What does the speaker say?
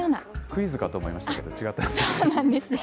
クイズかと思いましたけど違ったんですね。